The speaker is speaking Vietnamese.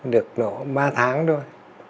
được nổ ba tháng thôi